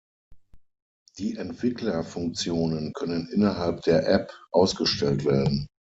Die Entwickler-Funktionen können innerhalb der App ausgestellt werden.